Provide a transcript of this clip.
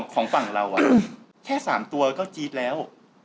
ของฝั่งเราแค่๓ตัวก็จี๊ดแล้ว